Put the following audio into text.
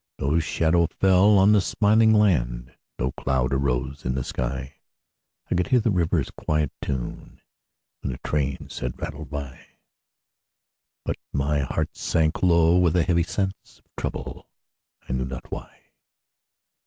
No shadow fell on the smiling land, No cloud arose in the sky; I could hear the river's quiet tune When the trains had rattled by; But my heart sank low with a heavy sense Of trouble, I knew not why.